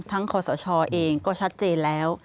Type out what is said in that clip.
ทั้งขอสชเองก็ชัดเจนแล้ว